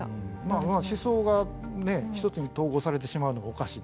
まあまあ思想がね一つに統合されてしまうのがおかしいですから。